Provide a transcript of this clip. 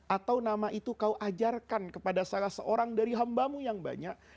atau nama itu kau ajarkan kepada salah seorang dari hambamu yang banyak